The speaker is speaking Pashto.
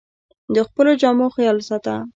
د خپلو جامو خیال ساته